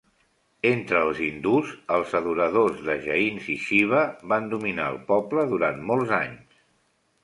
Entre els hindús, els adoradors de Jains i Shiva van dominar el poble durant molts anys.